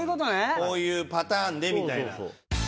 こういうパターンでみたいな。